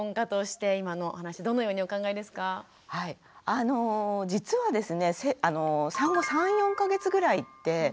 あの実はですね